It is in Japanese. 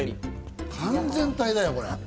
完全体だよ、これ。